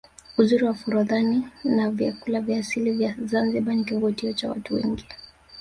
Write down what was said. uzuri wa forodhani na vyakula vya asili vya Zanzibar ni kivutio cha watu wengi